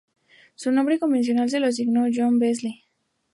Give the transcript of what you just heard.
Su nombre convencional se lo asignó John Beazley.